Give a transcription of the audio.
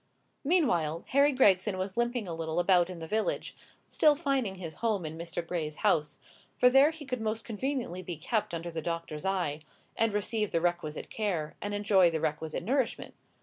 Meanwhile, Harry Gregson was limping a little about in the village, still finding his home in Mr. Gray's house; for there he could most conveniently be kept under the doctor's eye, and receive the requisite care, and enjoy the requisite nourishment.